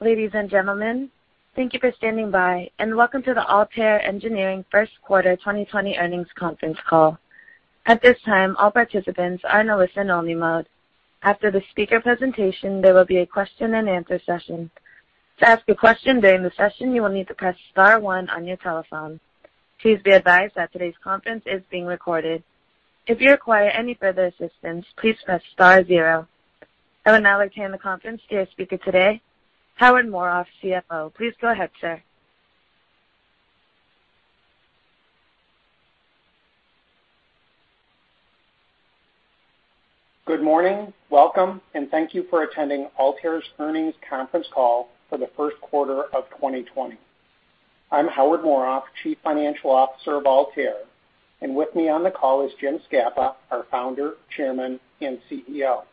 Ladies and gentlemen, thank you for standing by, welcome to the Altair Engineering first quarter 2020 earnings conference call. At this time, all participants are in listen-only mode. After the speaker presentation, there will be a question and answer session. To ask a question during the session, you will need to press star one on your telephone. Please be advised that today's conference is being recorded. If you require any further assistance, please press star zero. I would now turn the conference to your speaker today, Howard Morof, CFO. Please go ahead, sir. Good morning. Welcome, and thank you for attending Altair's earnings conference call for the first quarter of 2020. I'm Howard Morof, Chief Financial Officer of Altair, and with me on the call is Jim Scapa, our founder, chairman, and CEO.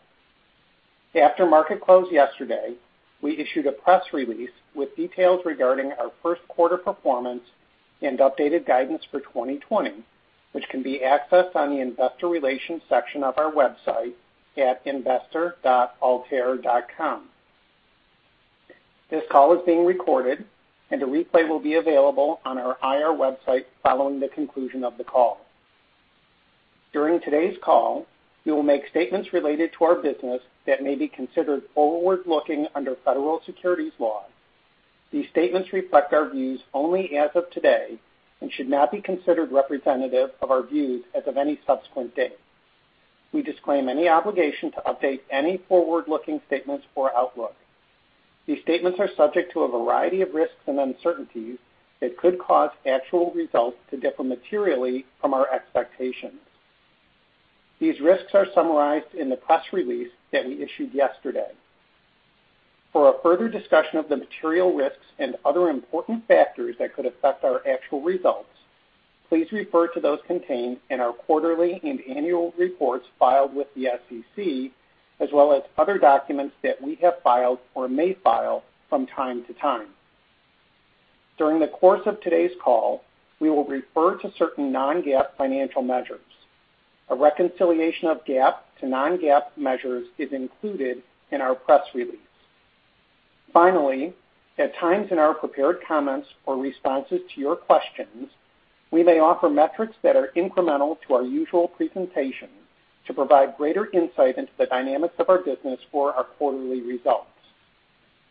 After market close yesterday, we issued a press release with details regarding our first quarter performance and updated guidance for 2020, which can be accessed on the investor relations section of our website at investor.altair.com. This call is being recorded, and a replay will be available on our IR website following the conclusion of the call. During today's call, we will make statements related to our business that may be considered forward-looking under Federal Securities law. These statements reflect our views only as of today and should not be considered representative of our views as of any subsequent date. We disclaim any obligation to update any forward-looking statements or outlook. These statements are subject to a variety of risks and uncertainties that could cause actual results to differ materially from our expectations. These risks are summarized in the press release that we issued yesterday. For a further discussion of the material risks and other important factors that could affect our actual results, please refer to those contained in our quarterly and annual reports filed with the SEC, as well as other documents that we have filed or may file from time to time. During the course of today's call, we will refer to certain non-GAAP financial measures. A reconciliation of GAAP to non-GAAP measures is included in our press release. Finally, at times in our prepared comments or responses to your questions, we may offer metrics that are incremental to our usual presentation to provide greater insight into the dynamics of our business for our quarterly results.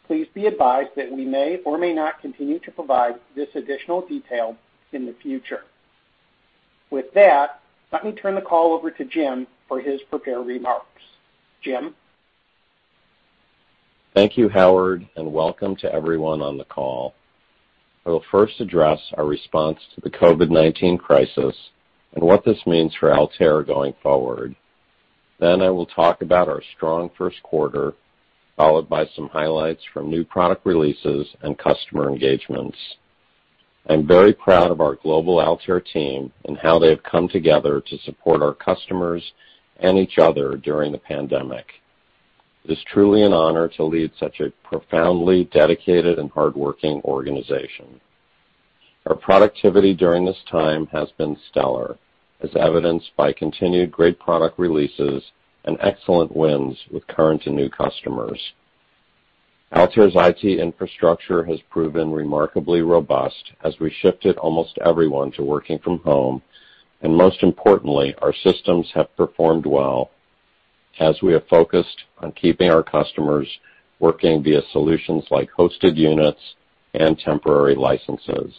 Please be advised that we may or may not continue to provide this additional detail in the future. With that, let me turn the call over to Jim for his prepared remarks. Jim? Thank you, Howard. Welcome to everyone on the call. I will first address our response to the COVID-19 crisis and what this means for Altair going forward. I will talk about our strong first quarter, followed by some highlights from new product releases and customer engagements. I'm very proud of our global Altair team and how they have come together to support our customers and each other during the pandemic. It is truly an honor to lead such a profoundly dedicated and hardworking organization. Our productivity during this time has been stellar, as evidenced by continued great product releases and excellent wins with current and new customers. Altair's IT infrastructure has proven remarkably robust as we shifted almost everyone to working from home, and most importantly, our systems have performed well as we have focused on keeping our customers working via solutions like hosted units and temporary licenses.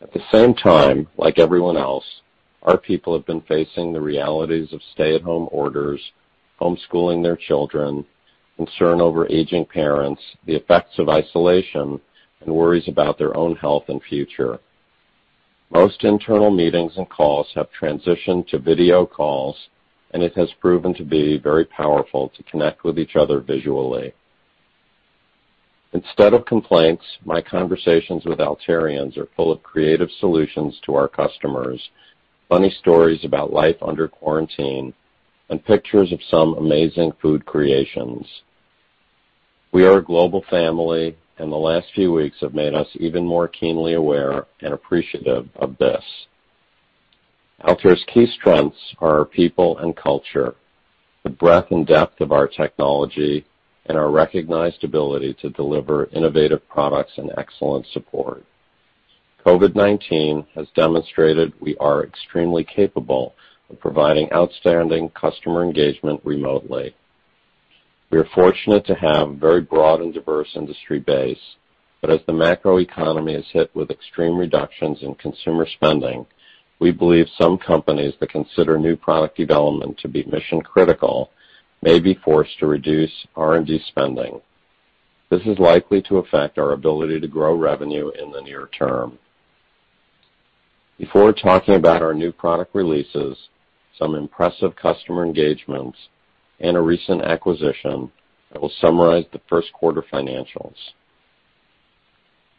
At the same time, like everyone else, our people have been facing the realities of stay-at-home orders, homeschooling their children, concern over aging parents, the effects of isolation, and worries about their own health and future. Most internal meetings and calls have transitioned to video calls, and it has proven to be very powerful to connect with each other visually. Instead of complaints, my conversations with Altairians are full of creative solutions to our customers, funny stories about life under quarantine, and pictures of some amazing food creations. We are a global family, and the last few weeks have made us even more keenly aware and appreciative of this. Altair's key strengths are our people and culture, the breadth and depth of our technology, and our recognized ability to deliver innovative products and excellent support. COVID-19 has demonstrated we are extremely capable of providing outstanding customer engagement remotely. We are fortunate to have a very broad and diverse industry base, as the macroeconomy is hit with extreme reductions in consumer spending, we believe some companies that consider new product development to be mission-critical may be forced to reduce R&D spending. This is likely to affect our ability to grow revenue in the near term. Before talking about our new product releases, some impressive customer engagements, and a recent acquisition, I will summarize the first quarter financials.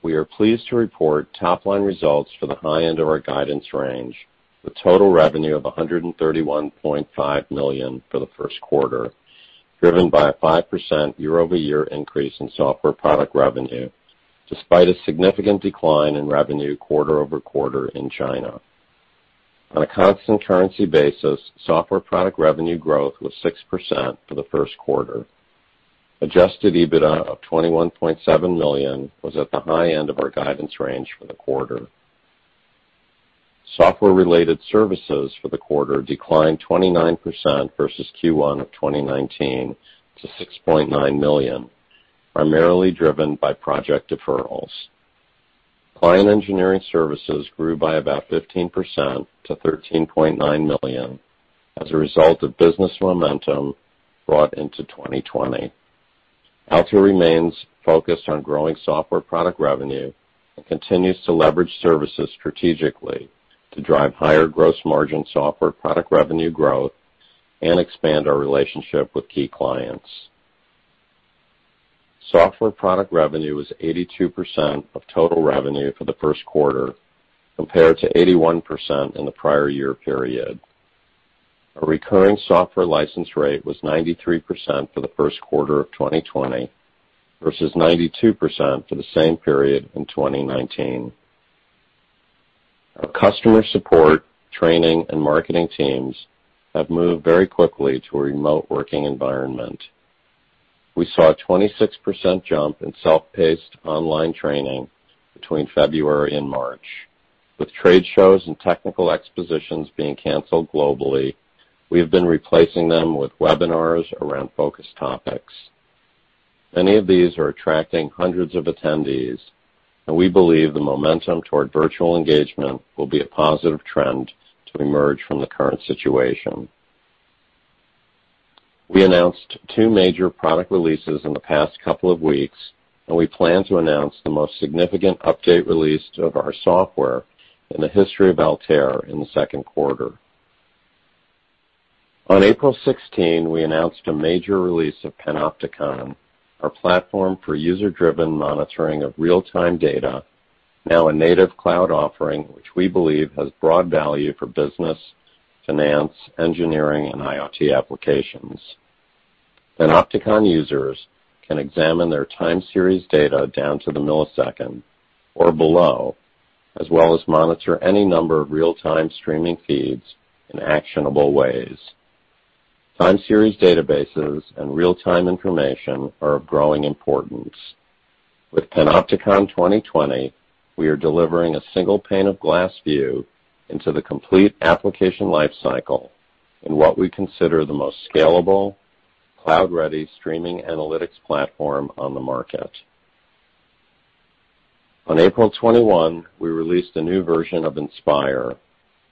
We are pleased to report top-line results for the high end of our guidance range with total revenue of $131.5 million for the first quarter, driven by a 5% year-over-year increase in software product revenue, despite a significant decline in revenue quarter-over-quarter in China. On a constant currency basis, software product revenue growth was 6% for the first quarter. Adjusted EBITDA of $21.7 million was at the high end of our guidance range for the quarter. Software-related services for the quarter declined 29% versus Q1 of 2019 to $6.9 million, primarily driven by project deferrals. Client engineering services grew by about 15% to $13.9 million as a result of business momentum brought into 2020. Altair remains focused on growing software product revenue and continues to leverage services strategically to drive higher gross margin software product revenue growth and expand our relationship with key clients. Software product revenue was 82% of total revenue for the first quarter, compared to 81% in the prior year period. Our recurring software license rate was 93% for the first quarter of 2020 versus 92% for the same period in 2019. Our customer support, training, and marketing teams have moved very quickly to a remote working environment. We saw a 26% jump in self-paced online training between February and March. With trade shows and technical expositions being canceled globally, we have been replacing them with webinars around focus topics. Many of these are attracting hundreds of attendees. We believe the momentum toward virtual engagement will be a positive trend to emerge from the current situation. We announced two major product releases in the past couple of weeks, and we plan to announce the most significant update release of our software in the history of Altair in the second quarter. On April 16, we announced a major release of Panopticon, our platform for user-driven monitoring of real-time data, now a native cloud offering, which we believe has broad value for business, finance, engineering, and IoT applications. Panopticon users can examine their time series data down to the millisecond or below, as well as monitor any number of real-time streaming feeds in actionable ways. Time series databases and real-time information are of growing importance. With Panopticon 2020, we are delivering a single pane of glass view into the complete application life cycle in what we consider the most scalable, cloud-ready streaming analytics platform on the market. On April 21, we released a new version of Inspire,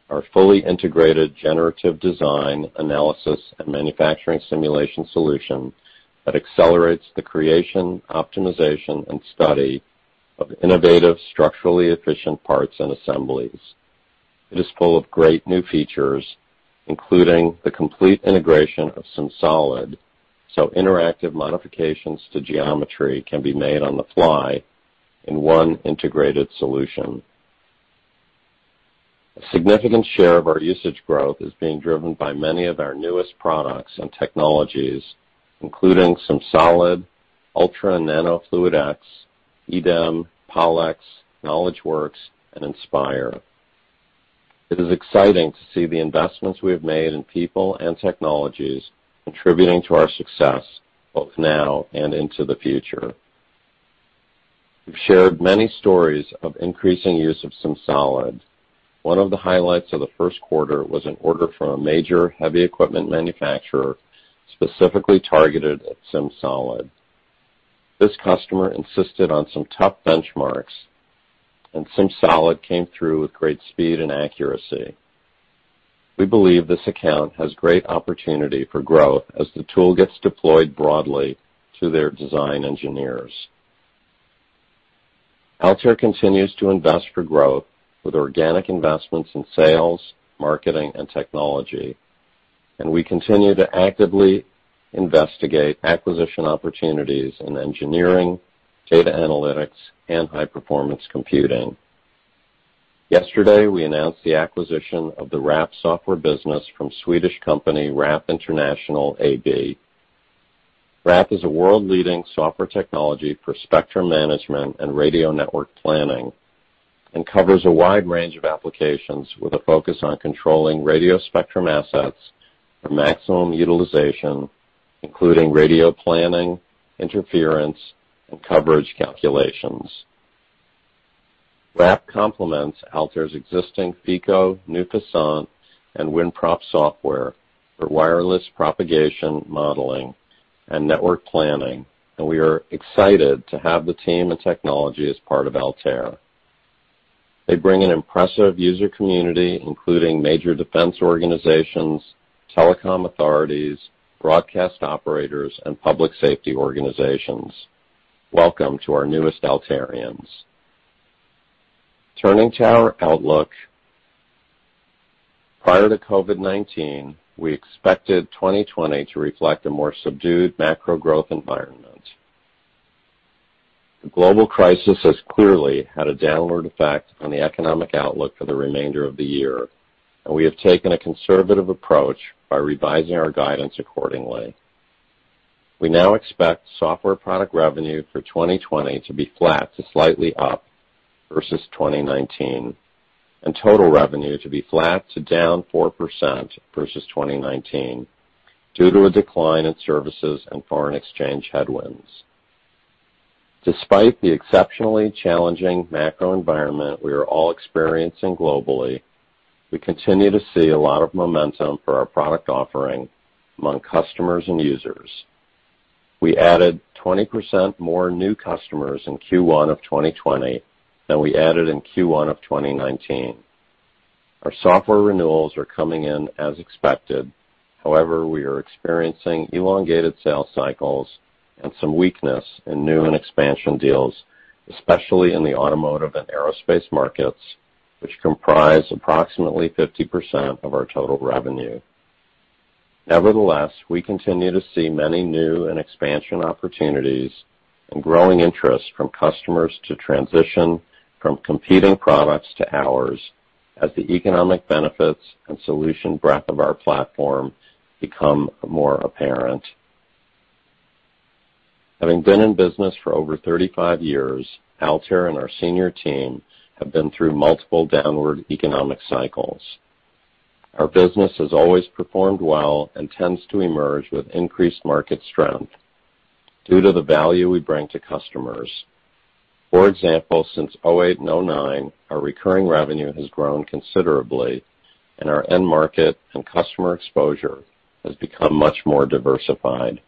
our fully integrated generative design, analysis, and manufacturing simulation solution that accelerates the creation, optimization, and study of innovative, structurally efficient parts and assemblies. It is full of great new features, including the complete integration of SimSolid, so interactive modifications to geometry can be made on the fly in one integrated solution. A significant share of our usage growth is being driven by many of our newest products and technologies, including SimSolid, ultraFluidX and nanoFluidX, EDEM, PollEx, KnowledgeWorks and Inspire. It is exciting to see the investments we have made in people and technologies contributing to our success both now and into the future. We've shared many stories of increasing use of SimSolid. One of the highlights of the first quarter was an order from a major heavy equipment manufacturer, specifically targeted at SimSolid. This customer insisted on some tough benchmarks, and SimSolid came through with great speed and accuracy. We believe this account has great opportunity for growth as the tool gets deployed broadly to their design engineers. Altair continues to invest for growth with organic investments in sales, marketing, and technology, and we continue to actively investigate acquisition opportunities in engineering, data analytics, and high-performance computing. Yesterday, we announced the acquisition of the WRAP software business from Swedish company WRAP International AB. WRAP is a world-leading software technology for spectrum management and radio network planning and covers a wide range of applications with a focus on controlling radio spectrum assets for maximum utilization, including radio planning, interference, and coverage calculations. WRAP complements Altair's existing Feko, newFASANT, and WinProp software for wireless propagation modeling and network planning, and we are excited to have the team and technology as part of Altair. They bring an impressive user community, including major defense organizations, telecom authorities, broadcast operators, and public safety organizations. Welcome to our newest Altairians. Turning to our outlook, prior to COVID-19, we expected 2020 to reflect a more subdued macro growth environment. The global crisis has clearly had a downward effect on the economic outlook for the remainder of the year, and we have taken a conservative approach by revising our guidance accordingly. We now expect software product revenue for 2020 to be flat to slightly up versus 2019, and total revenue to be flat to down 4% versus 2019 due to a decline in services and foreign exchange headwinds. Despite the exceptionally challenging macro environment we are all experiencing globally, we continue to see a lot of momentum for our product offering among customers and users. We added 20% more new customers in Q1 of 2020 than we added in Q1 of 2019. Our software renewals are coming in as expected. However, we are experiencing elongated sales cycles and some weakness in new and expansion deals, especially in the automotive and aerospace markets, which comprise approximately 50% of our total revenue. Nevertheless, we continue to see many new and expansion opportunities and growing interest from customers to transition from competing products to ours as the economic benefits and solution breadth of our platform become more apparent. Having been in business for over 35 years, Altair and our senior team have been through multiple downward economic cycles. Our business has always performed well and tends to emerge with increased market strength due to the value we bring to customers. For example, since 2008 and 2009, our recurring revenue has grown considerably, and our end market and customer exposure has become much more diversified.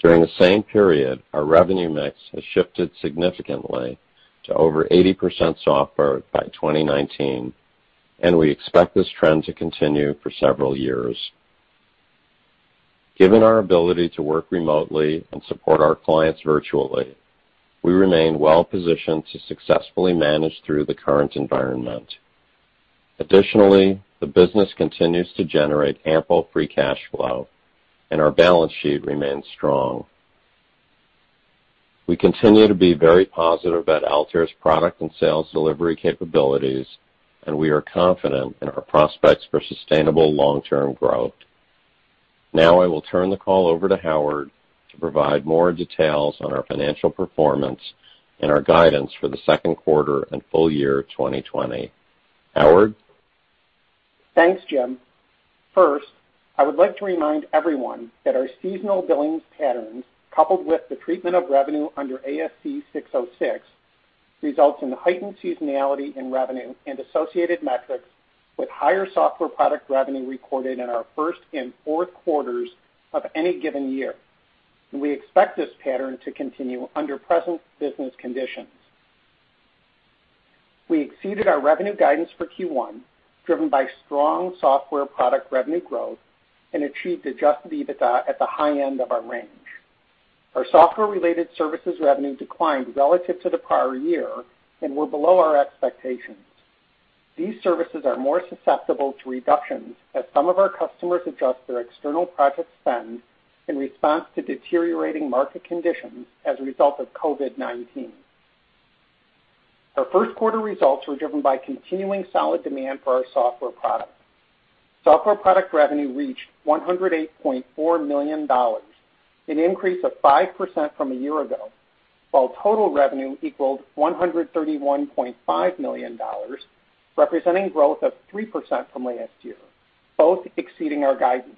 During the same period, our revenue mix has shifted significantly to over 80% software by 2019, and we expect this trend to continue for several years. Given our ability to work remotely and support our clients virtually, we remain well-positioned to successfully manage through the current environment. Additionally, the business continues to generate ample free cash flow, and our balance sheet remains strong. We continue to be very positive about Altair's product and sales delivery capabilities, and we are confident in our prospects for sustainable long-term growth. Now, I will turn the call over to Howard to provide more details on our financial performance and our guidance for the second quarter and full year 2020. Howard? Thanks, Jim. First, I would like to remind everyone that our seasonal billings patterns, coupled with the treatment of revenue under ASC 606, results in heightened seasonality in revenue and associated metrics with higher software product revenue recorded in our first and fourth quarters of any given year, and we expect this pattern to continue under present business conditions. We exceeded our revenue guidance for Q1, driven by strong software product revenue growth and achieved adjusted EBITDA at the high end of our range. Our software-related services revenue declined relative to the prior year and were below our expectations. These services are more susceptible to reductions as some of our customers adjust their external project spend in response to deteriorating market conditions as a result of COVID-19. Our first quarter results were driven by continuing solid demand for our software products. Software product revenue reached $108.4 million, an increase of 5% from a year ago, while total revenue equaled $131.5 million, representing growth of 3% from last year, both exceeding our guidance.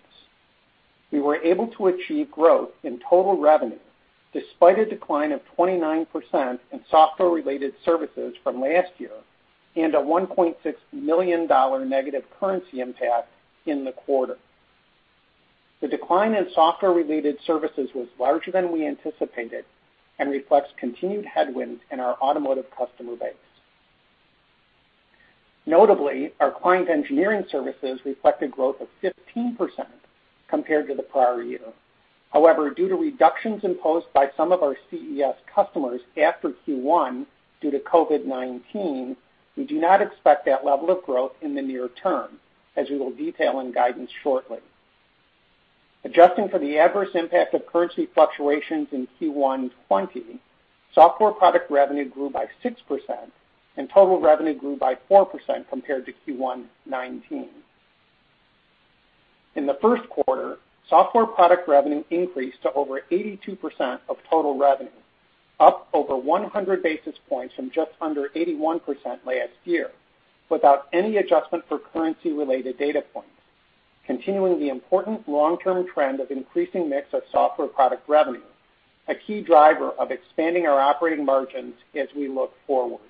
We were able to achieve growth in total revenue despite a decline of 29% in software-related services from last year and a $1.6 million negative currency impact in the quarter. The decline in software-related services was larger than we anticipated and reflects continued headwinds in our automotive customer base. Notably, our client engineering services reflected growth of 15% compared to the prior year. Due to reductions imposed by some of our CES customers after Q1 due to COVID-19, we do not expect that level of growth in the near term, as we will detail in guidance shortly. Adjusting for the adverse impact of currency fluctuations in Q1 2020, software product revenue grew by 6%, and total revenue grew by 4% compared to Q1 2019. In the first quarter, software product revenue increased to over 82% of total revenue, up over 100 basis points from just under 81% last year without any adjustment for currency-related data points, continuing the important long-term trend of increasing mix of software product revenue, a key driver of expanding our operating margins as we look forward.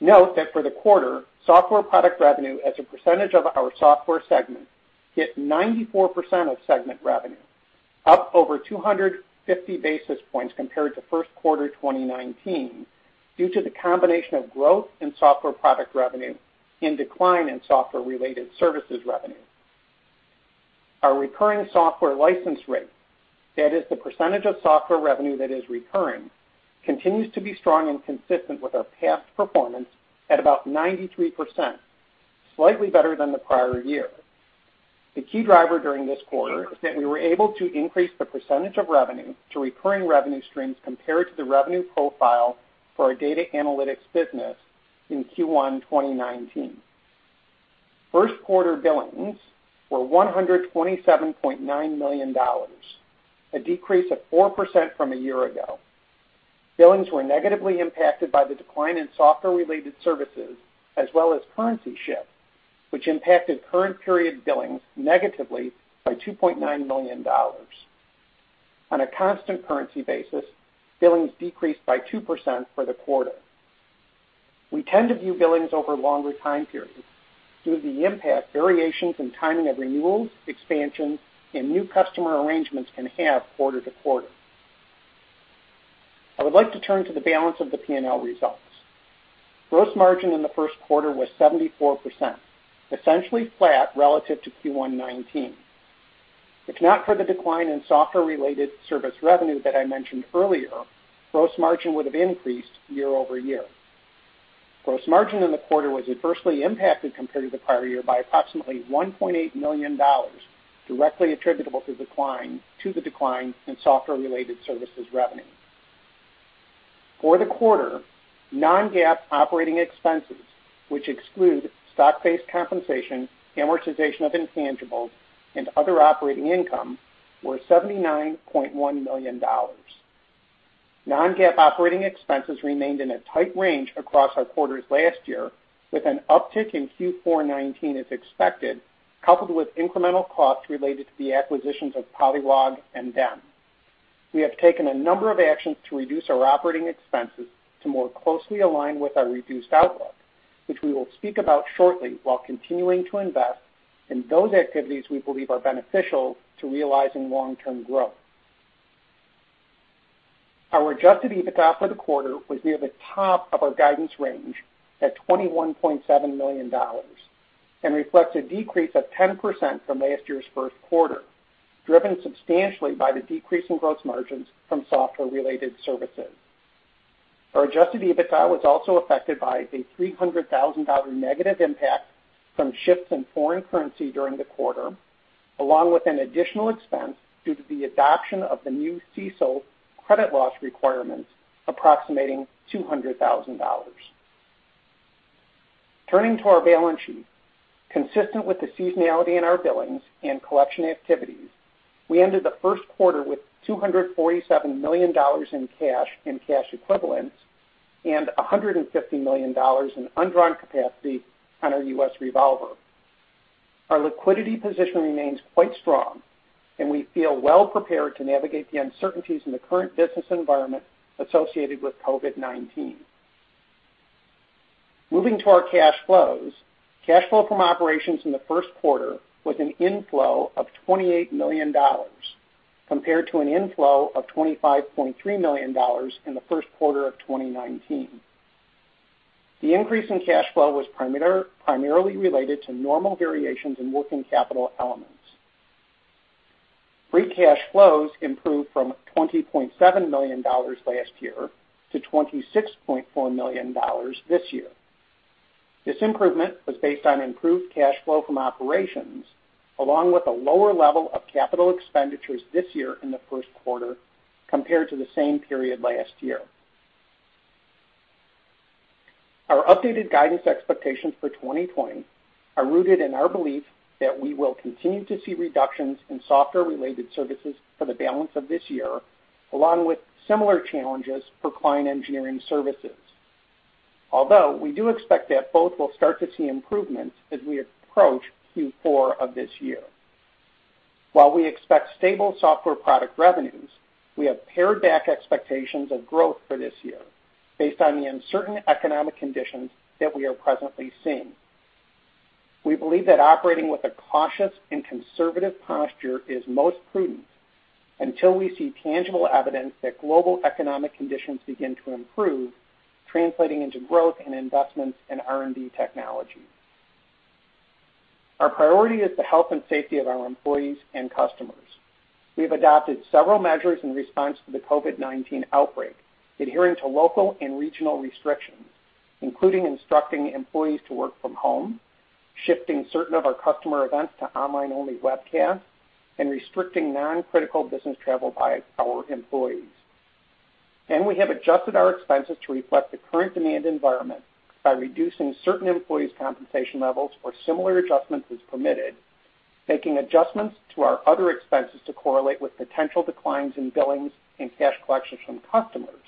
Note that for the quarter, software product revenue as a percentage of our software segment hit 94% of segment revenue, up over 250 basis points compared to first quarter 2019 due to the combination of growth in software product revenue and decline in software-related services revenue. Our recurring software license rate, that is the percentage of software revenue that is recurring, continues to be strong and consistent with our past performance at about 93%, slightly better than the prior year. The key driver during this quarter is that we were able to increase the percentage of revenue to recurring revenue streams compared to the revenue profile for our data analytics business in Q1 2019. First quarter billings were $127.9 million, a decrease of 4% from a year ago. Billings were negatively impacted by the decline in software-related services, as well as currency shift, which impacted current period billings negatively by $2.9 million. On a constant currency basis, billings decreased by 2% for the quarter. We tend to view billings over longer time periods due to the impact variations in timing of renewals, expansions, and new customer arrangements can have quarter to quarter. I would like to turn to the balance of the P&L results. Gross margin in the first quarter was 74%, essentially flat relative to Q1 2019. If not for the decline in software-related service revenue that I mentioned earlier, gross margin would have increased year-over-year. Gross margin in the quarter was adversely impacted compared to the prior year by approximately $1.8 million, directly attributable to the decline in software-related services revenue. For the quarter, non-GAAP operating expenses, which exclude stock-based compensation, amortization of intangibles, and other operating income, were $79.1 million. Non-GAAP operating expenses remained in a tight range across our quarters last year, with an uptick in Q4 2019 as expected, coupled with incremental costs related to the acquisitions of PollEx and DEM. We have taken a number of actions to reduce our operating expenses to more closely align with our reduced outlook, which we will speak about shortly while continuing to invest in those activities we believe are beneficial to realizing long-term growth. Our adjusted EBITDA for the quarter was near the top of our guidance range at $21.7 million and reflects a decrease of 10% from last year's first quarter, driven substantially by the decrease in gross margins from software-related services. Our adjusted EBITDA was also affected by a $300,000 negative impact from shifts in foreign currency during the quarter, along with an additional expense due to the adoption of the new CECL credit loss requirements approximating $200,000. Turning to our balance sheet, consistent with the seasonality in our billings and collection activities, we ended the first quarter with $247 million in cash and cash equivalents and $150 million in undrawn capacity on our U.S. revolver. Our liquidity position remains quite strong. We feel well prepared to navigate the uncertainties in the current business environment associated with COVID-19. Moving to our cash flows, cash flow from operations in the first quarter was an inflow of $28 million, compared to an inflow of $25.3 million in the first quarter of 2019. The increase in cash flow was primarily related to normal variations in working capital elements. Free cash flows improved from $20.7 million last year to $26.4 million this year. This improvement was based on improved cash flow from operations along with a lower level of capital expenditures this year in the first quarter compared to the same period last year. Our updated guidance expectations for 2020 are rooted in our belief that we will continue to see reductions in software-related services for the balance of this year, along with similar challenges for client engineering services. We do expect that both will start to see improvements as we approach Q4 of this year. While we expect stable software product revenues, we have pared back expectations of growth for this year based on the uncertain economic conditions that we are presently seeing. We believe that operating with a cautious and conservative posture is most prudent until we see tangible evidence that global economic conditions begin to improve, translating into growth in investments in R&D technology. Our priority is the health and safety of our employees and customers. We have adopted several measures in response to the COVID-19 outbreak, adhering to local and regional restrictions, including instructing employees to work from home, shifting certain of our customer events to online-only webcasts, and restricting non-critical business travel by our employees. We have adjusted our expenses to reflect the current demand environment by reducing certain employees' compensation levels or similar adjustments as permitted, making adjustments to our other expenses to correlate with potential declines in billings and cash collections from customers,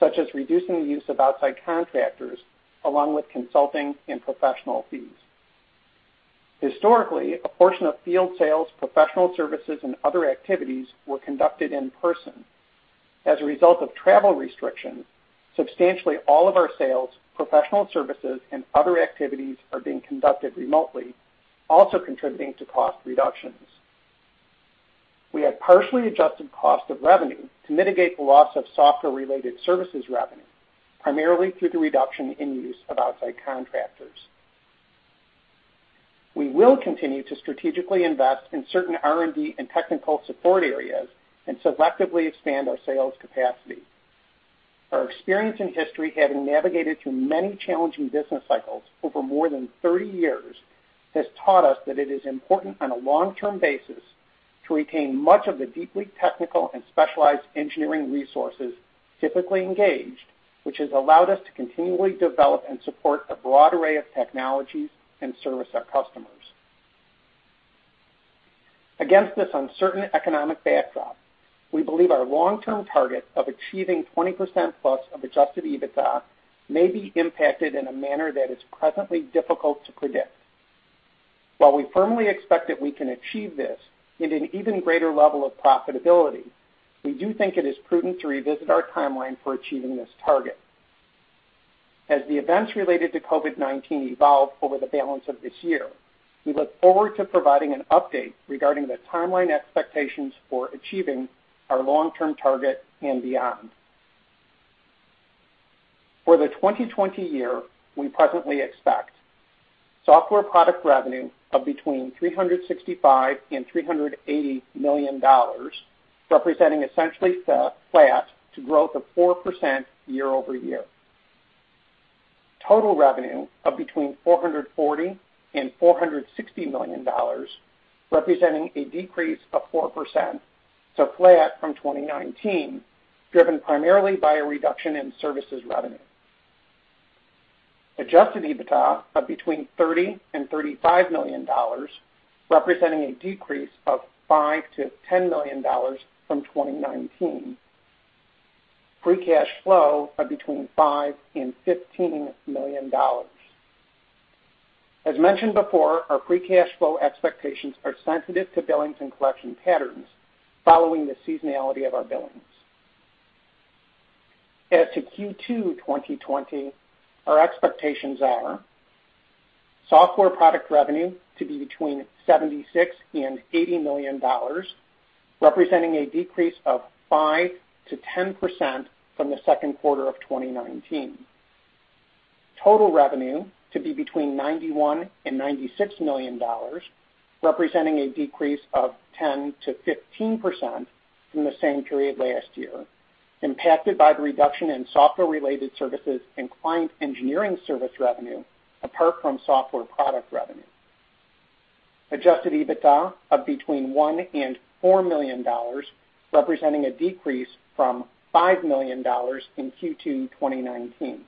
such as reducing the use of outside contractors along with consulting and professional fees. Historically, a portion of field sales, professional services, and other activities were conducted in person. As a result of travel restrictions, substantially all of our sales, professional services, and other activities are being conducted remotely, also contributing to cost reductions. We have partially adjusted cost of revenue to mitigate the loss of software-related services revenue, primarily through the reduction in use of outside contractors. We will continue to strategically invest in certain R&D and technical support areas and selectively expand our sales capacity. Our experience and history, having navigated through many challenging business cycles over more than 30 years, has taught us that it is important on a long-term basis to retain much of the deeply technical and specialized engineering resources typically engaged, which has allowed us to continually develop and support a broad array of technologies and service our customers. Against this uncertain economic backdrop, we believe our long-term target of achieving +20% of adjusted EBITDA may be impacted in a manner that is presently difficult to predict. While we firmly expect that we can achieve this in an even greater level of profitability, we do think it is prudent to revisit our timeline for achieving this target. As the events related to COVID-19 evolve over the balance of this year, we look forward to providing an update regarding the timeline expectations for achieving our long-term target and beyond. For the 2020 year, we presently expect software product revenue of between $365 million and $380 million, representing essentially flat to growth of 4% year-over-year. Total revenue of between $440 million and $460 million, representing a decrease of 4%, so flat from 2019, driven primarily by a reduction in services revenue. Adjusted EBITDA of between $30 million and $35 million, representing a decrease of $5 million to $10 million from 2019. Free cash flow of between $5 million and $15 million. Our free cash flow expectations are sensitive to billings and collection patterns following the seasonality of our billings. Our expectations are software product revenue to be between $76 million-$80 million, representing a decrease of 5%-10% from the second quarter of 2019. Total revenue to be between $91 million-$96 million, representing a decrease of 10%-15% from the same period last year, impacted by the reduction in software-related services and client engineering service revenue apart from software product revenue. Adjusted EBITDA of between $1 million-$4 million, representing a decrease from $5 million in Q2 2019.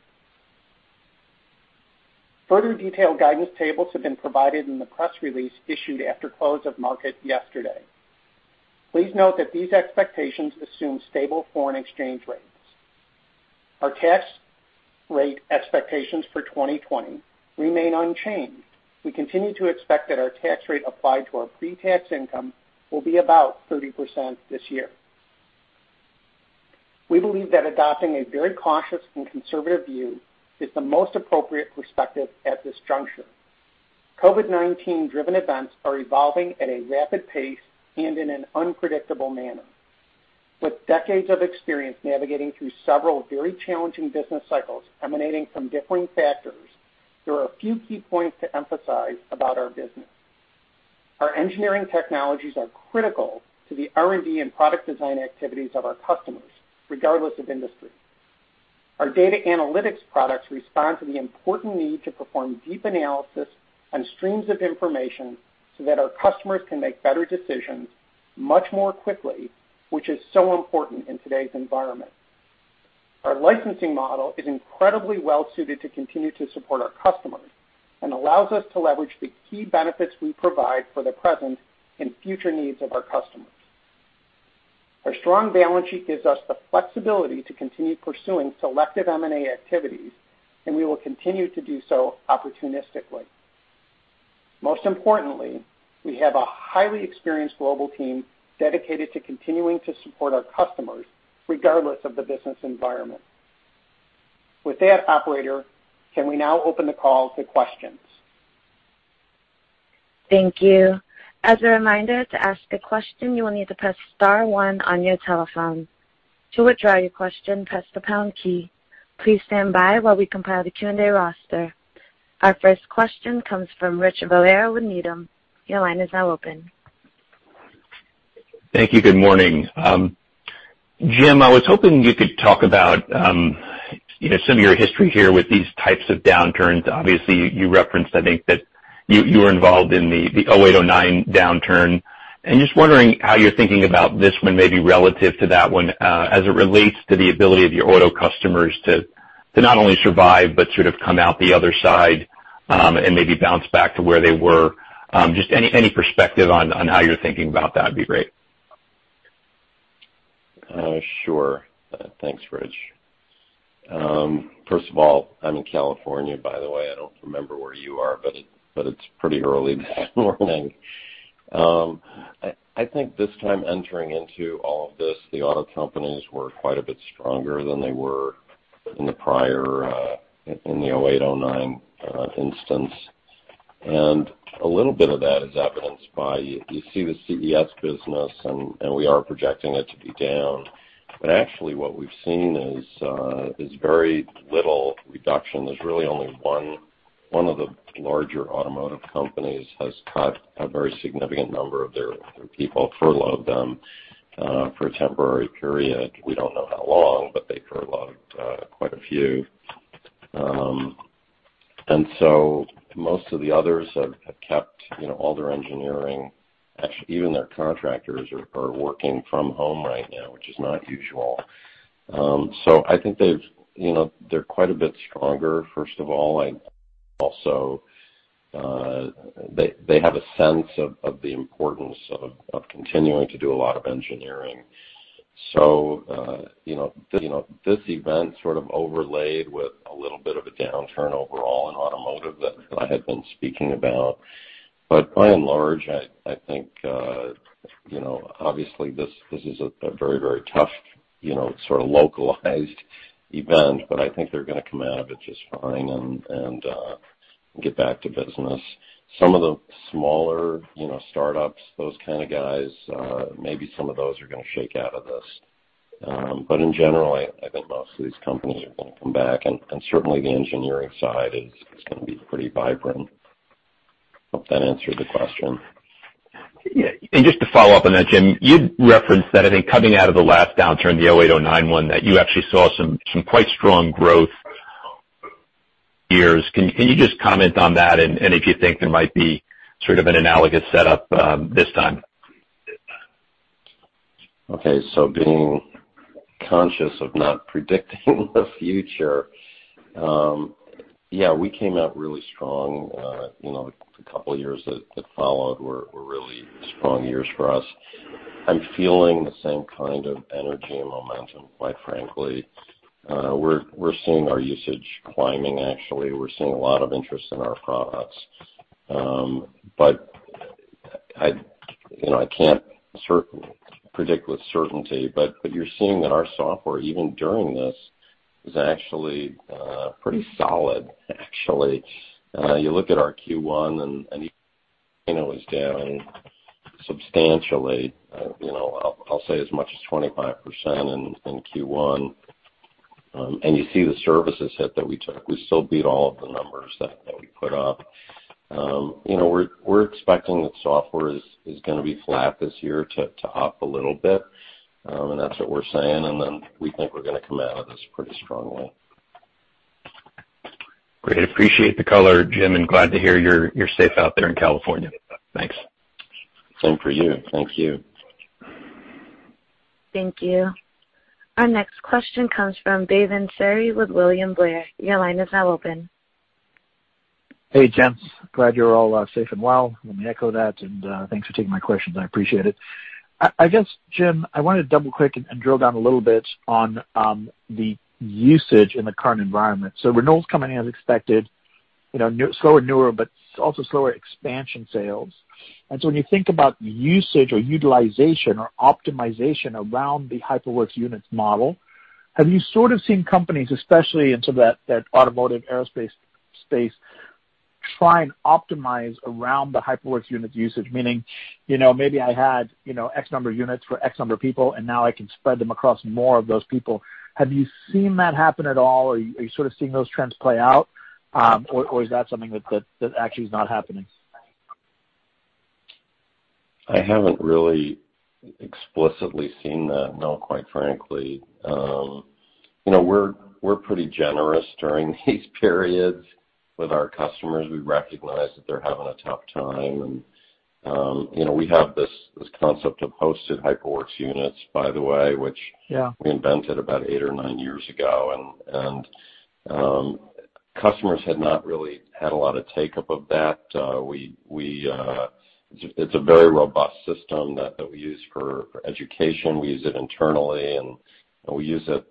Further detailed guidance tables have been provided in the press release issued after close of market yesterday. Please note that these expectations assume stable foreign exchange rates. Our tax rate expectations for 2020 remain unchanged. We continue to expect that our tax rate applied to our pre-tax income will be about 30% this year. We believe that adopting a very cautious and conservative view is the most appropriate perspective at this juncture. COVID-19-driven events are evolving at a rapid pace and in an unpredictable manner. With decades of experience navigating through several very challenging business cycles emanating from differing factors, there are a few key points to emphasize about our business. Our engineering technologies are critical to the R&D and product design activities of our customers, regardless of industry. Our data analytics products respond to the important need to perform deep analysis on streams of information so that our customers can make better decisions much more quickly, which is so important in today's environment. Our licensing model is incredibly well suited to continue to support our customers and allows us to leverage the key benefits we provide for the present and future needs of our customers. Our strong balance sheet gives us the flexibility to continue pursuing selective M&A activities, and we will continue to do so opportunistically. Most importantly, we have a highly experienced global team dedicated to continuing to support our customers regardless of the business environment. With that, operator, can we now open the call to questions? Thank you. As a reminder, to ask a question, you will need to press star one on your telephone. To withdraw your question, press the pound key. Please stand by while we compile the Q&A roster. Our first question comes from Richard Valera with Needham. Your line is now open. Thank you. Good morning. Jim, I was hoping you could talk about some of your history here with these types of downturns. You referenced, I think that you were involved in the 2008, 2009 downturn. Just wondering how you're thinking about this one, maybe relative to that one as it relates to the ability of your auto customers to not only survive but sort of come out the other side and maybe bounce back to where they were. Just any perspective on how you're thinking about that would be great. Sure. Thanks, Rich. First of all, I'm in California, by the way. I don't remember where you are, but it's pretty early this morning. I think this time entering into all of this, the auto companies were quite a bit stronger than they were in the prior, in the 2008, 2009 instance. A little bit of that is evidenced by, you see the CES business, and we are projecting it to be down. Actually what we've seen is very little reduction. There's really only one of the larger automotive companies has cut a very significant number of their people, furloughed them for a temporary period. We don't know how long, but they furloughed quite a few. Most of the others have kept all their engineering, actually, even their contractors are working from home right now, which is not usual. I think they're quite a bit stronger, first of all. Also, they have a sense of the importance of continuing to do a lot of engineering. This event sort of overlaid with a little bit of a downturn overall in automotive that I had been speaking about. By and large, I think, obviously, this is a very tough, sort of localized event. I think they're going to come out of it just fine and get back to business. Some of the smaller startups, those kind of guys, maybe some of those are going to shake out of this. In general, I think most of these companies are going to come back, and certainly the engineering side is going to be pretty vibrant. Hope that answered the question. Yeah. Just to follow up on that, Jim, you had referenced that, I think, coming out of the last downturn, the 2008, 2009 one, that you actually saw some quite strong growth years. Can you just comment on that, and if you think there might be sort of an analogous setup this time? Okay. Being conscious of not predicting the future. Yeah, we came out really strong. The couple of years that followed were really strong years for us. I'm feeling the same kind of energy and momentum, quite frankly. We're seeing our usage climbing, actually. We're seeing a lot of interest in our products. I can't predict with certainty, but you're seeing that our software, even during this, is actually pretty solid. You look at our Q1 and it was down substantially, I'll say as much as 25% in Q1. You see the services hit that we took. We still beat all of the numbers that we put up. We're expecting that software is going to be flat this year to up a little bit. That's what we're saying, and then we think we're going to come out of this pretty strongly. Great. Appreciate the color, Jim, and glad to hear you're safe out there in California. Thanks. Same for you. Thank you. Thank you. Our next question comes from Davin Cerri with William Blair. Your line is now open. Hey, gents. Glad you're all safe and well. Let me echo that. Thanks for taking my questions, I appreciate it. I guess, Jim, I wanted to double-click and drill down a little bit on the usage in the current environment. Renewals coming in as expected, slower newer, but also slower expansion sales. When you think about usage or utilization or optimization around the HyperWorks units model, have you sort of seen companies, especially into that automotive aerospace space, try and optimize around the HyperWorks units usage? Meaning, maybe I had X number of units for X number of people, and now I can spread them across more of those people. Have you seen that happen at all, or are you sort of seeing those trends play out? Is that something that actually is not happening? I haven't really explicitly seen that, no, quite frankly. We're pretty generous during these periods with our customers. We recognize that they're having a tough time, and we have this concept of hosted HyperWorks units, by the way, which. Yeah We invented about eight or nine years ago. Customers had not really had a lot of take-up of that. It's a very robust system that we use for education. We use it internally, and we use it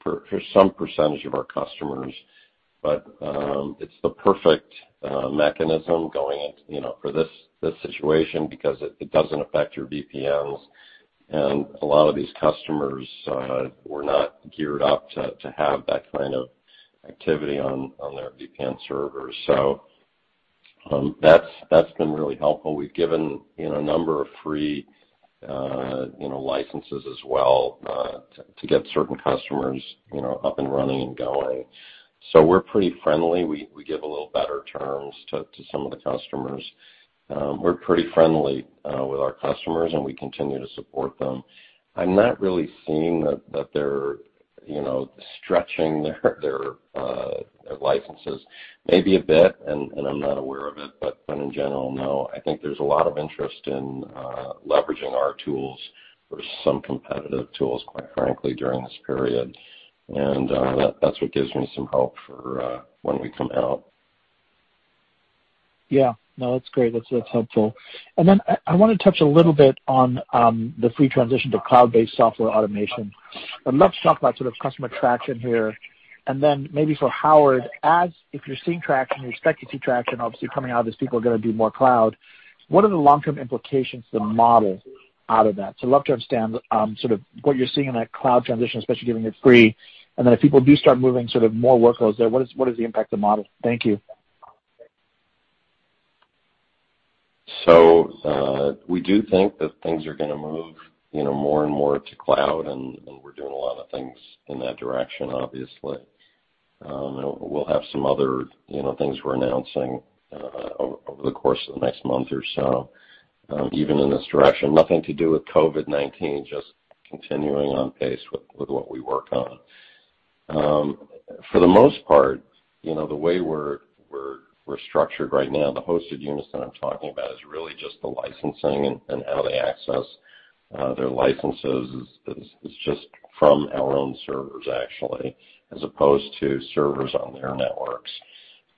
for some percentage of our customers. It's the perfect mechanism going into for this situation because it doesn't affect your VPNs, and a lot of these customers were not geared up to have that kind of activity on their VPN servers. That's been really helpful. We've given a number of free licenses as well to get certain customers up and running and going. We're pretty friendly. We give a little better terms to some of the customers. We're pretty friendly with our customers, and we continue to support them. I'm not really seeing that they're stretching their licenses. Maybe a bit, and I'm not aware of it, but in general, no. I think there's a lot of interest in leveraging our tools versus some competitive tools, quite frankly, during this period. That's what gives me some hope for when we come out. Yeah. No, that's great. That's helpful. I want to touch a little bit on the free transition to cloud-based software automation. I'd love to talk about sort of customer traction here, maybe for Howard, if you're seeing traction, you expect to see traction, obviously, coming out of this, people are going to do more cloud. What are the long-term implications to the model out of that? I'd love to understand sort of what you're seeing in that cloud transition, especially given it's free. If people do start moving more workloads there, what is the impact to model? Thank you. We do think that things are going to move more and more to cloud, and we're doing a lot of things in that direction, obviously. We'll have some other things we're announcing over the course of the next month or so, even in this direction. Nothing to do with COVID-19, just continuing on pace with what we work on. For the most part, the way we're structured right now, the hosted units that I'm talking about is really just the licensing and how they access their licenses is just from our own servers actually, as opposed to servers on their networks.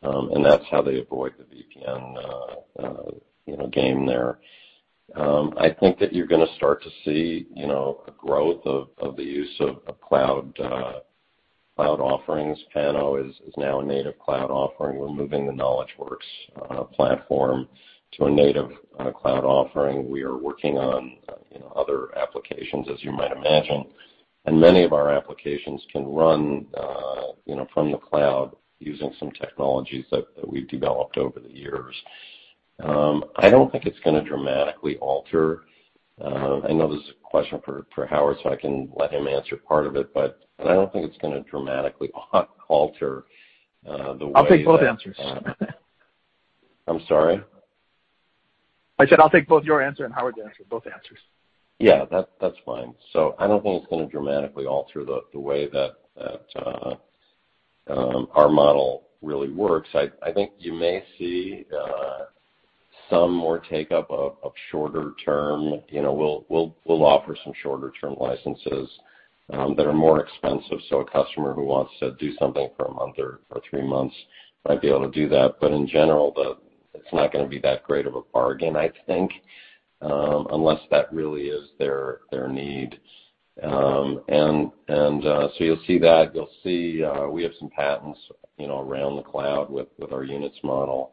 That's how they avoid the VPN game there. I think that you're going to start to see a growth of the use of cloud offerings. Panopticon is now a native cloud offering. We're moving the KnowledgeWorks platform to a native cloud offering. We are working on other applications, as you might imagine. Many of our applications can run from the cloud using some technologies that we've developed over the years. I know this is a question for Howard, so I can let him answer part of it, but I don't think it's going to dramatically alter. I'll take both answers. I'm sorry? I said, I'll take both your answer and Howard's answer, both answers. Yeah. That's fine. I don't think it's going to dramatically alter the way that our model really works. I think you may see some more take-up of shorter term. We'll offer some shorter term licenses that are more expensive, so a customer who wants to do something for one month or for three months might be able to do that. In general, it's not going to be that great of a bargain, I think, unless that really is their need. You'll see that. You'll see we have some patents around the cloud with our units model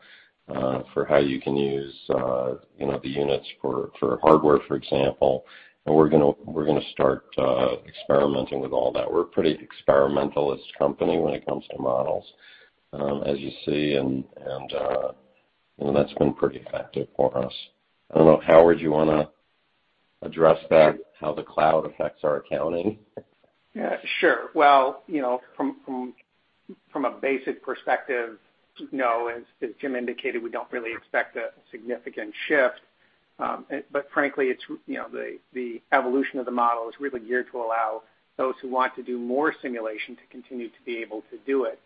for how you can use the units for hardware, for example. We're going to start experimenting with all that. We're a pretty experimental-ist company when it comes to models as you see, and that's been pretty effective for us. I don't know, Howard, do you want to address that, how the cloud affects our accounting? Yeah, sure. From a basic perspective, no. As Jim indicated, we don't really expect a significant shift. Frankly, the evolution of the model is really geared to allow those who want to do more simulation to continue to be able to do it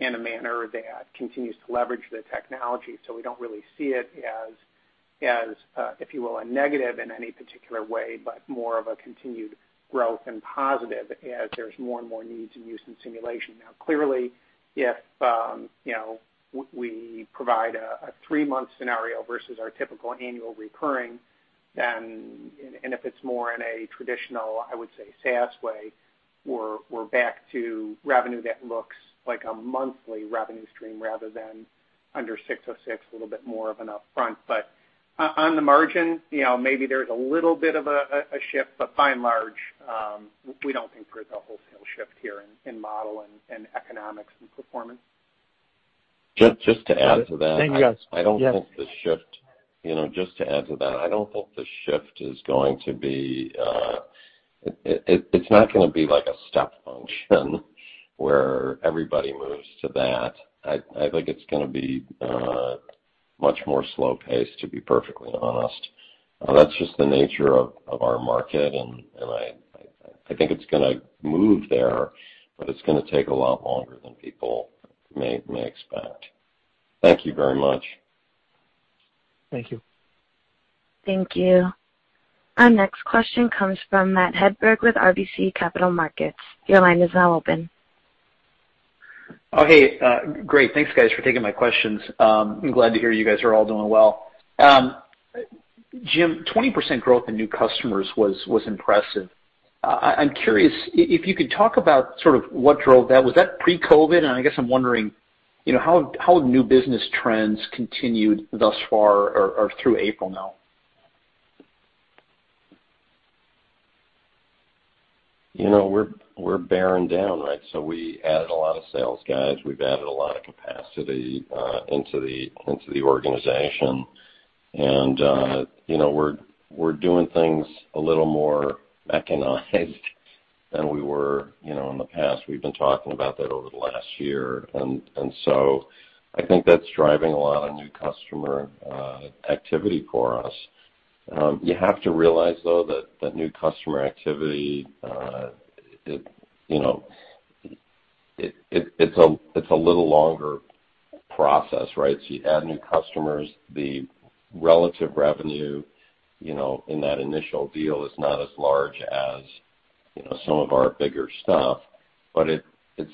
in a manner that continues to leverage the technology. We don't really see it as, if you will, a negative in any particular way, but more of a continued growth and positive as there's more and more needs and use in simulation. Now, clearly, if we provide a three-month scenario versus our typical annual recurring, and if it's more in a traditional, I would say, SaaS way, we're back to revenue that looks like a monthly revenue stream rather than under 606, a little bit more of an upfront. On the margin, maybe there's a little bit of a shift, but by and large, we don't think there's a wholesale shift here in model and economics and performance. Just to add to that Thank you, guys. Yes. I don't think the shift is going to be like a step function where everybody moves to that. I think it's going to be much more slow paced, to be perfectly honest. That's just the nature of our market, and I think it's going to move there, but it's going to take a lot longer than people may expect. Thank you very much. Thank you. Thank you. Our next question comes from Matt Hedberg with RBC Capital Markets. Your line is now open. Okay, great. Thanks, guys, for taking my questions. I'm glad to hear you guys are all doing well. Jim, 20% growth in new customers was impressive. I'm curious, if you could talk about what drove that. Was that pre-COVID? I guess I'm wondering how have new business trends continued thus far or through April now? We're bearing down, right? We added a lot of sales guys. We've added a lot of capacity into the organization. We're doing things a little more mechanized than we were in the past. We've been talking about that over the last year. I think that's driving a lot of new customer activity for us. You have to realize, though, that new customer activity, it's a little longer process, right? You add new customers, the relative revenue in that initial deal is not as large as some of our bigger stuff, but it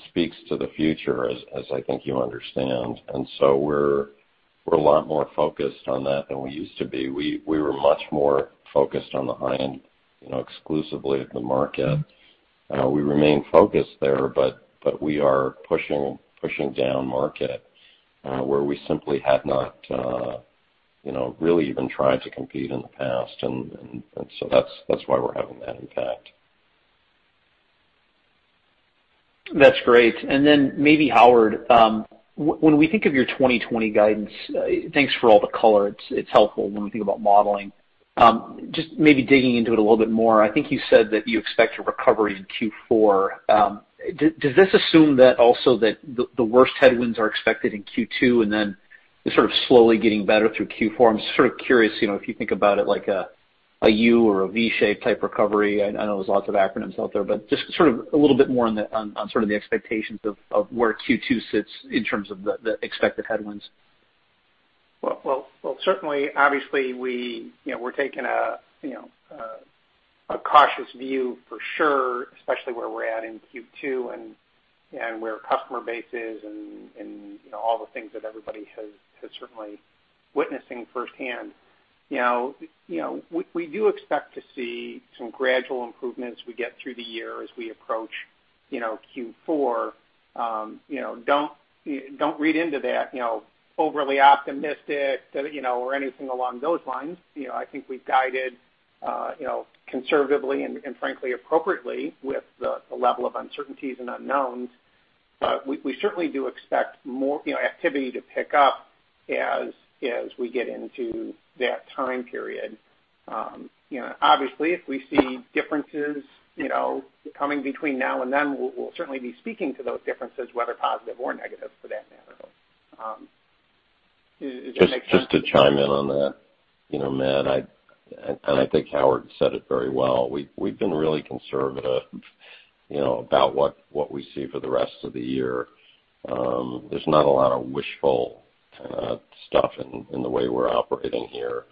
speaks to the future as I think you understand. We're a lot more focused on that than we used to be. We were much more focused on the high-end exclusively of the market. We remain focused there, but we are pushing down-market where we simply had not really even tried to compete in the past. That's why we're having that impact. That's great. Then maybe Howard, when we think of your 2020 guidance, thanks for all the color, it's helpful when we think about modeling. Just maybe digging into it a little bit more, I think you said that you expect a recovery in Q4. Does this assume that also that the worst headwinds are expected in Q2, is sort of slowly getting better through Q4. I'm sort of curious if you think about it like a U or a V-shape type recovery. I know there's lots of acronyms out there, but just sort of a little bit more on the expectations of where Q2 sits in terms of the expected headwinds. Well, certainly, obviously, we're taking a cautious view for sure, especially where we're at in Q2 and where customer base is and all the things that everybody has certainly witnessing firsthand. We do expect to see some gradual improvements we get through the year as we approach Q4. Don't read into that overly optimistic or anything along those lines. I think we've guided conservatively and frankly, appropriately with the level of uncertainties and unknowns. We certainly do expect more activity to pick up as we get into that time period. Obviously, if we see differences coming between now and then, we'll certainly be speaking to those differences, whether positive or negative for that matter. Does that make sense? Just to chime in on that, Matt, I think Howard said it very well. We've been really conservative about what we see for the rest of the year. There's not a lot of wishful kind of stuff in the way we're operating here.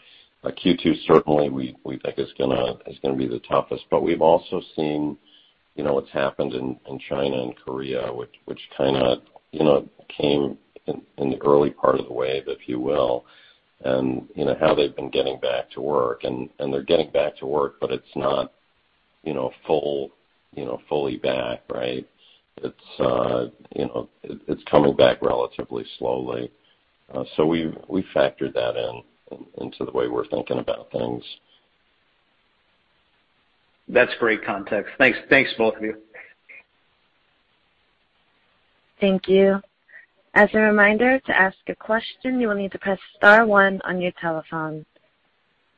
Q2 certainly we think is going to be the toughest. We've also seen what's happened in China and Korea, which kind of came in the early part of the wave, if you will, and how they've been getting back to work, and they're getting back to work, but it's not fully back, right? It's coming back relatively slowly. We've factored that into the way we're thinking about things. That's great context. Thanks. Thanks, both of you. Thank you. As a reminder, to ask a question, you will need to press star one on your telephone.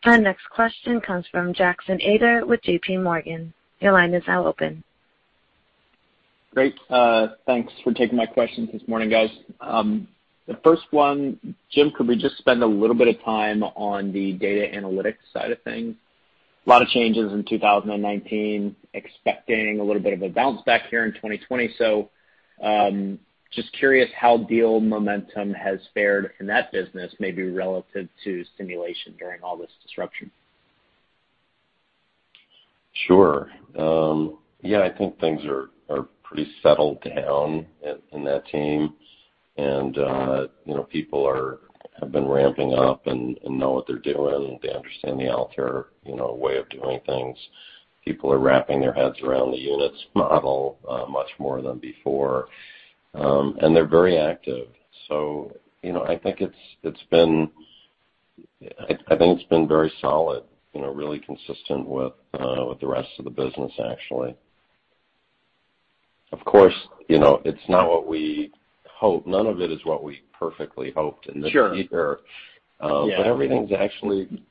Our next question comes from Jackson Ader with JP Morgan. Your line is now open. Great. Thanks for taking my questions this morning, guys. The first one, Jim, could we just spend a little bit of time on the data analytics side of things? A lot of changes in 2019, expecting a little bit of a bounce back here in 2020. Just curious how deal momentum has fared in that business, maybe relative to simulation during all this disruption. Sure. Yeah, I think things are pretty settled down in that team. People have been ramping up and know what they're doing. They understand the Altair way of doing things. People are wrapping their heads around the units model much more than before. They're very active. I think it's been very solid, really consistent with the rest of the business, actually. Of course, it's not what we hoped. None of it is what we perfectly hoped in this year. Sure. Yeah. Everything's actually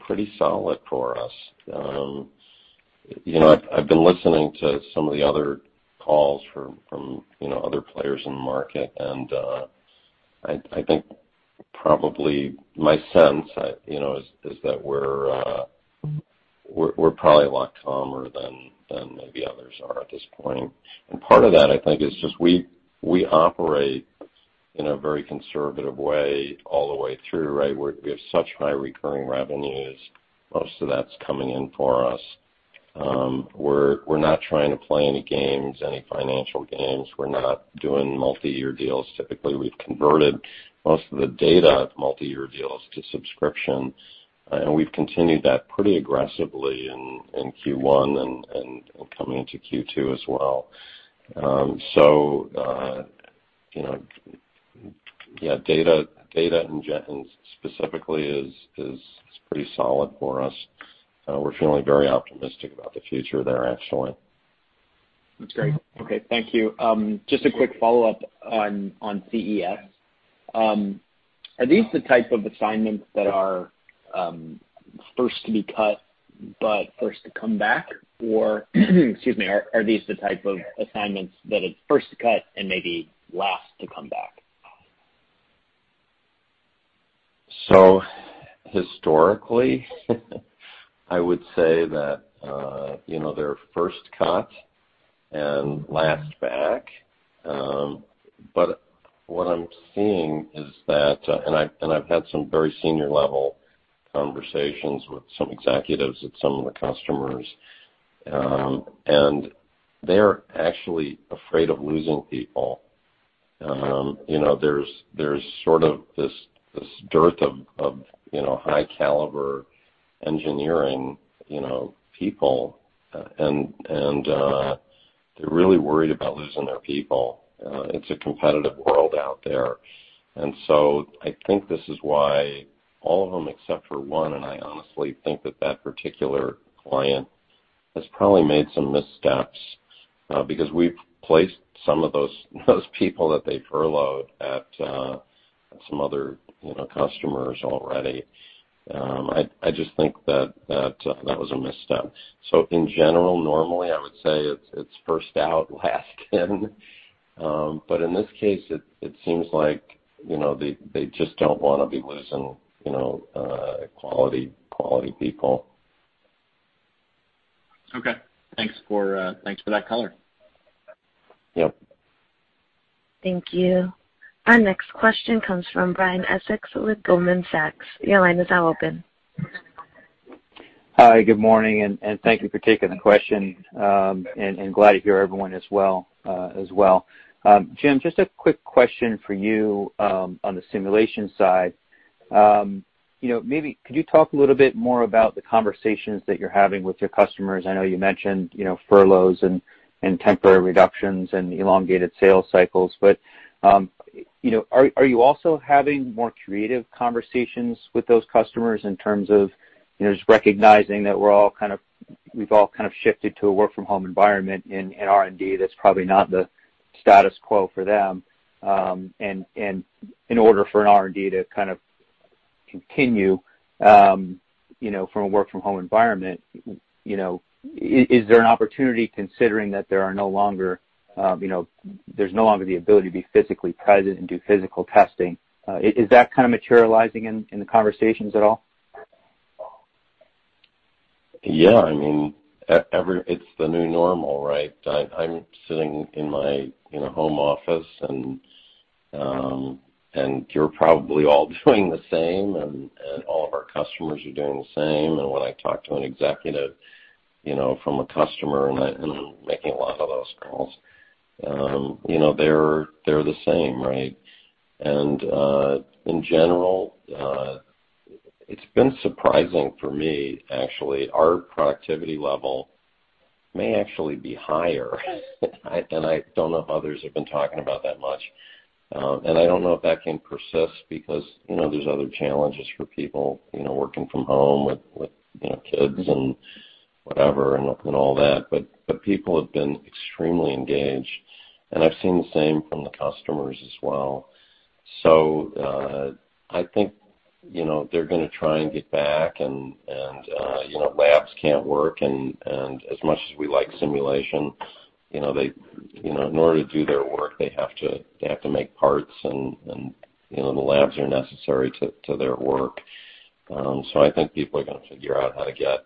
pretty solid for us. I've been listening to some of the other calls from other players in the market, and I think probably my sense is that we're probably a lot calmer than maybe others are at this point. Part of that, I think, is just we operate in a very conservative way all the way through, right? We have such high recurring revenues. Most of that's coming in for us. We're not trying to play any games, any financial games. We're not doing multi-year deals. Typically, we've converted most of the multi-year deals to subscription, and we've continued that pretty aggressively in Q1 and coming into Q2 as well. Yeah, data specifically is pretty solid for us. We're feeling very optimistic about the future there, actually. That's great. Okay, thank you. Just a quick follow-up on CES. Are these the type of assignments that are first to be cut but first to come back? Excuse me, are these the type of assignments that it's first to cut and maybe last to come back? Historically, I would say that they're first cut and last back. What I'm seeing is that, and I've had some very senior-level conversations with some executives at some of the customers, and they're actually afraid of losing people. There's sort of this dearth of high-caliber engineering people. They're really worried about losing their people. It's a competitive world out there. I think this is why all of them, except for one, and I honestly think that that particular client has probably made some missteps because we've placed some of those people that they furloughed at some other customers already. I just think that was a misstep. In general, normally, I would say it's first out, last in. In this case, it seems like they just don't want to be losing quality people. Okay. Thanks for that color. Yep. Thank you. Our next question comes from Brian Essex with Goldman Sachs. Your line is now open. Hi. Good morning. Thank you for taking the question, and glad to hear everyone as well. Jim, just a quick question for you on the simulation side. Maybe could you talk a little bit more about the conversations that you're having with your customers? I know you mentioned furloughs and temporary reductions and elongated sales cycles, but are you also having more creative conversations with those customers in terms of just recognizing that we've all kind of shifted to a work from home environment and R&D that's probably not the status quo for them? In order for an R&D to kind of continue from a work from home environment, is there an opportunity, considering that there's no longer the ability to be physically present and do physical testing? Is that kind of materializing in the conversations at all? Yeah. It's the new normal, right? I'm sitting in my home office, and you're probably all doing the same, and all of our customers are doing the same. When I talk to an executive from a customer, and I'm making a lot of those calls, they're the same. In general, it's been surprising for me, actually. Our productivity level may actually be higher and I don't know if others have been talking about that much. I don't know if that can persist because there's other challenges for people working from home with kids and whatever, and all that. People have been extremely engaged, and I've seen the same from the customers as well. I think they're going to try and get back and labs can't work, and as much as we like simulation, in order to do their work, they have to make parts and the labs are necessary to their work. I think people are going to figure out how to get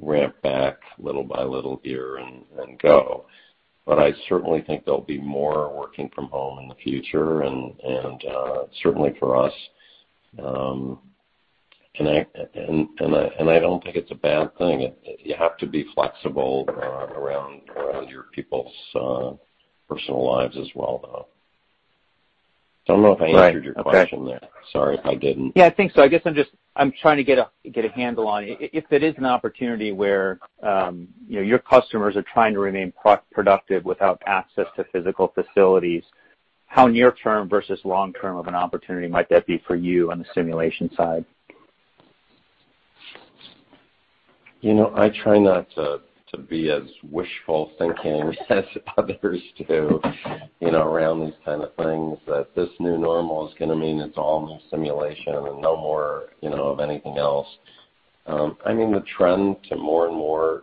ramped back little by little here and go. I certainly think there'll be more working from home in the future, and certainly for us, and I don't think it's a bad thing. You have to be flexible around your people's personal lives as well, though. Don't know if I answered your question there. Right. Okay. Sorry if I didn't. I think so. I guess I'm trying to get a handle on if it is an opportunity where your customers are trying to remain productive without access to physical facilities, how near term versus long term of an opportunity might that be for you on the simulation side? I try not to be as wishful thinking as others do around these kind of things, that this new normal is going to mean it's all simulation and no more of anything else. The trend to more and more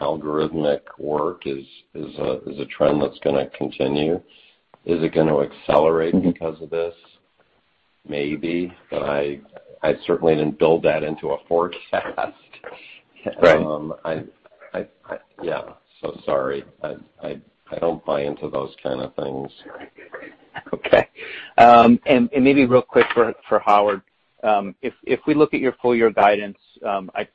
algorithmic work is a trend that's going to continue. Is it going to accelerate because of this? Maybe. I certainly didn't build that into a forecast. Right. Yeah. Sorry. I don't buy into those kind of things. Okay. Maybe real quick for Howard. If we look at your full year guidance, I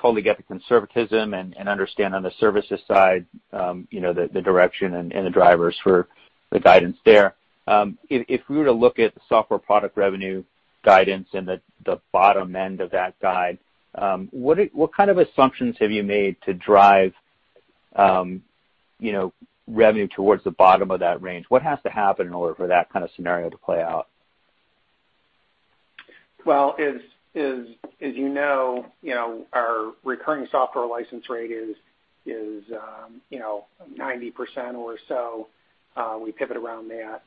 totally get the conservatism and understand on the services side the direction and the drivers for the guidance there. If we were to look at the software product revenue guidance and the bottom end of that guide, what kind of assumptions have you made to drive revenue towards the bottom of that range? What has to happen in order for that kind of scenario to play out? Well, as you know, our recurring software license rate is 90% or so. We pivot around that.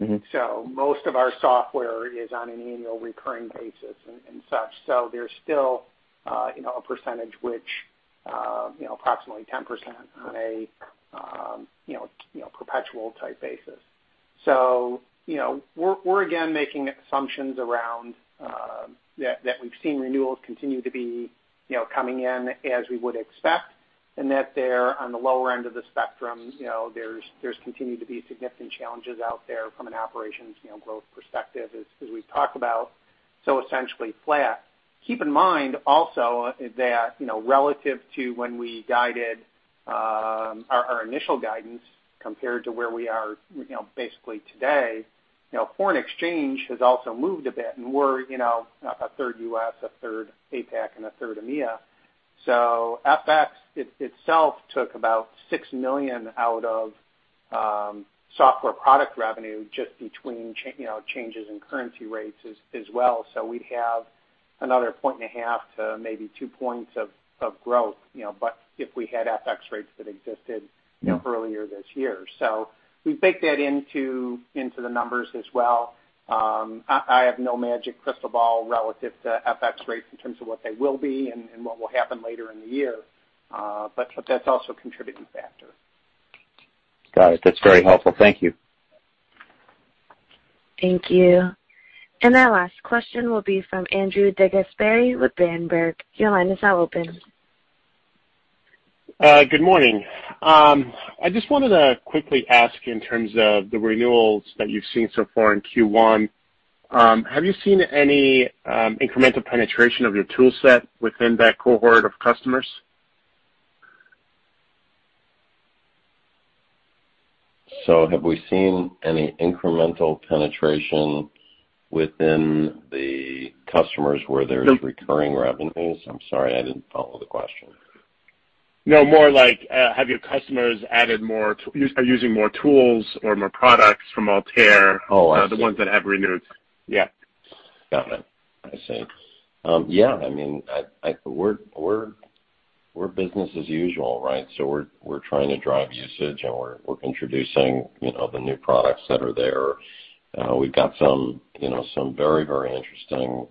Most of our software is on an annual recurring basis and such. There's still a percentage which, approximately 10% on a perpetual type basis. We're again making assumptions around that we've seen renewals continue to be coming in as we would expect, and that they're on the lower end of the spectrum. There's continued to be significant challenges out there from an operations growth perspective as we've talked about, so essentially flat. Keep in mind also that relative to when we guided our initial guidance compared to where we are basically today, foreign exchange has also moved a bit and we're about 1/3 U.S., 1/3 APAC, and 1/3 EMEA. FX itself took about $6 million out of software product revenue just between changes in currency rates as well. Another point and a half to maybe two points of growth, but if we had FX rates that existed earlier this year. We baked that into the numbers as well. I have no magic crystal ball relative to FX rates in terms of what they will be and what will happen later in the year. That's also a contributing factor. Got it. That's very helpful. Thank you. Thank you. Our last question will be from Andrew DeGasperi with Berenberg. Your line is now open. Good morning. I just wanted to quickly ask in terms of the renewals that you've seen so far in Q1, have you seen any incremental penetration of your tool set within that cohort of customers? Have we seen any incremental penetration within the customers where there's recurring revenues? I'm sorry, I didn't follow the question. No, more like, have your customers are using more tools or more products from Altair? Oh, I see. The ones that have renewed. Yeah. Got it. I see. Yeah, we're business as usual, right? We're trying to drive usage, and we're introducing the new products that are there. We've got some very interesting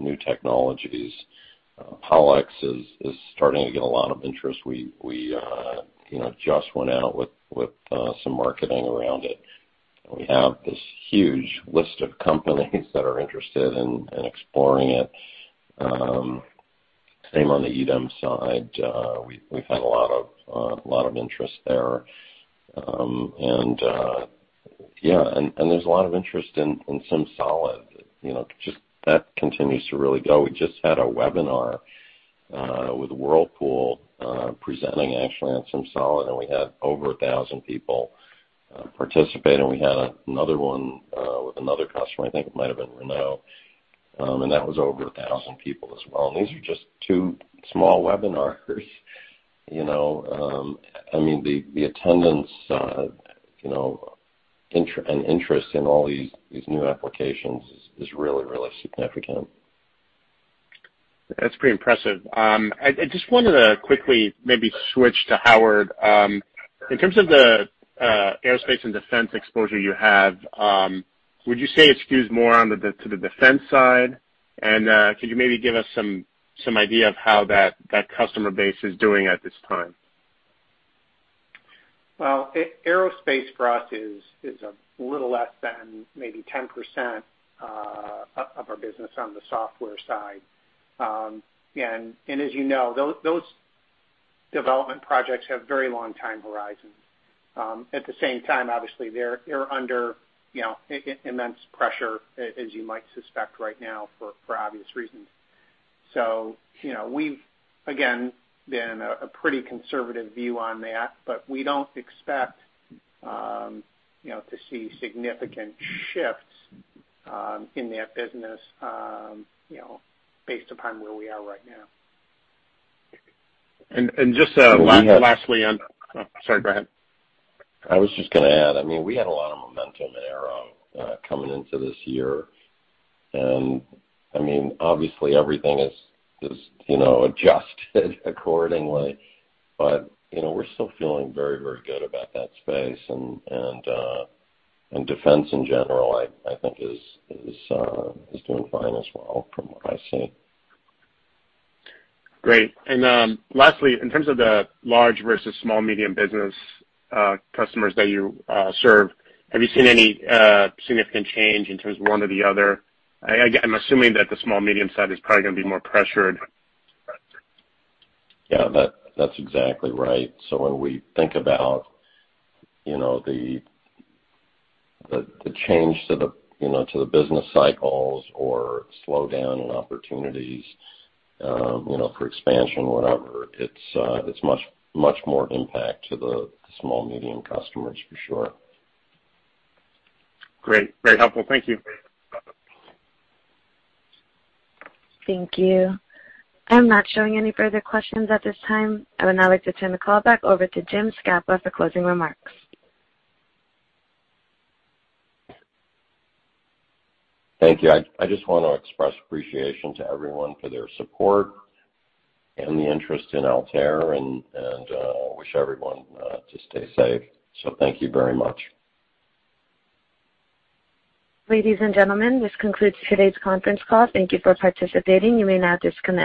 new technologies. PollEx is starting to get a lot of interest. We just went out with some marketing around it. We have this huge list of companies that are interested in exploring it. Same on the EDEM side. We've had a lot of interest there. There's a lot of interest in SimSolid, that continues to really go. We just had a webinar with Whirlpool presenting actually on SimSolid, and we had over 1,000 people participate, and we had another one with another customer, I think it might've been Renault. That was over 1,000 people as well. These are just two small webinars. The attendance, and interest in all these new applications is really significant. That's pretty impressive. I just wanted to quickly maybe switch to Howard. In terms of the aerospace and defense exposure you have, would you say it skews more to the defense side? Could you maybe give us some idea of how that customer base is doing at this time? Well, aerospace for us is a little less than maybe 10% of our business on the software side. As you know, those development projects have very long time horizons. At the same time, obviously, they're under immense pressure as you might suspect right now for obvious reasons. We've, again, been a pretty conservative view on that, but we don't expect to see significant shifts in that business based upon where we are right now. Sorry, go ahead. I was just going to add, we had a lot of momentum in aero coming into this year. Obviously everything is adjusted accordingly, but we're still feeling very good about that space and defense in general, I think is doing fine as well from what I see. Great. Lastly, in terms of the large versus small medium business customers that you serve, have you seen any significant change in terms of one or the other? I'm assuming that the small medium side is probably going to be more pressured. Yeah, that's exactly right. When we think about the change to the business cycles or slowdown in opportunities for expansion, whatever, it's much more impact to the small medium customers for sure. Great. Very helpful. Thank you. Thank you. I'm not showing any further questions at this time. I would now like to turn the call back over to Jim Scapa for closing remarks. Thank you. I just want to express appreciation to everyone for their support and the interest in Altair and wish everyone to stay safe. Thank you very much. Ladies and gentlemen, this concludes today's conference call. Thank You for participating. You may now disconnect.